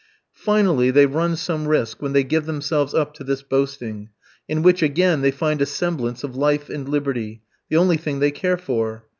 Finally, they run some risk when they give themselves up to this boasting; in which again they find a semblance of life and liberty the only thing they care for.